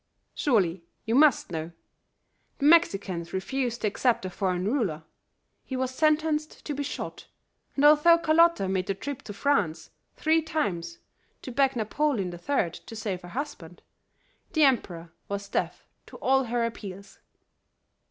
"Surely you must know. The Mexicans refused to accept a foreign ruler; he was sentenced to be shot, and although Carlota made the trip to France three times to beg Napoleon III to save her husband, the emperor was deaf to all her appeals."